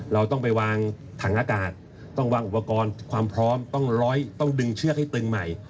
เราต้องไปวางถังอากาศต้องวางอุปกรณ์ความพร้อมต้องดึงเชือกให้ตึงใหม่